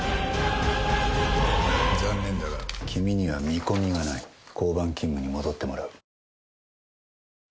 「残念だが君には見込みがない」「交番勤務に戻ってもらう」